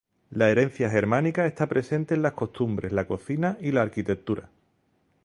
La herencia germánica está presente en las costumbres, la cocina y la arquitectura.